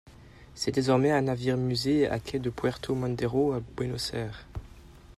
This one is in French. C'est désormais un navire musée à quai de Puerto Madero à Buenos Aires.